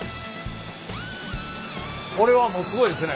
これはもうすごいですね。